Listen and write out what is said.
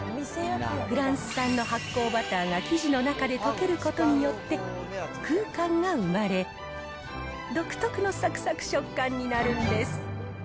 フランス産の発酵バターが生地の中で溶けることによって、空間が生まれ、独特のさくさく食感になるんです。